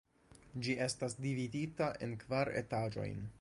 Ĝi estas dividita en kvar etaĝojn.